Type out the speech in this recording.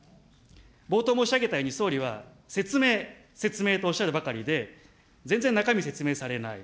冒頭申し上げたように、総理は、説明、説明とおっしゃるばかりで、全然中身説明されない。